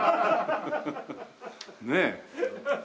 ねえ。